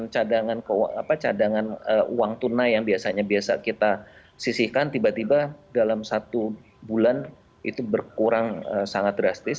cadangan cadangan uang tunai yang biasanya biasa kita sisihkan tiba tiba dalam satu bulan itu berkurang sangat drastis